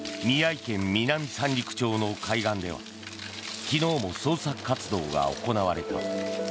宮城県南三陸町の海岸では昨日も捜索活動が行われた。